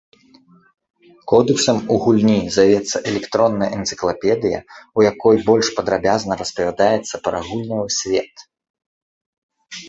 Кодэксам у гульні завецца электронная энцыклапедыя, у якой больш падрабязна распавядаецца пра гульнявы свет.